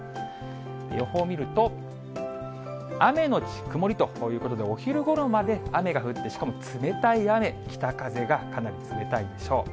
予報見ると、雨後曇りということで、お昼ごろまで雨が降って、しかも冷たい雨、北風がかなり冷たいでしょう。